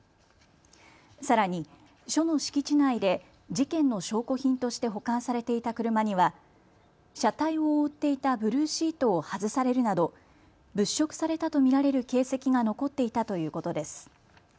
さらに署の敷地内で事件の証拠品として保管されていた車には車体を覆っていたブルーシートを外されるなど物色されたと見られる形跡が残っていたということです。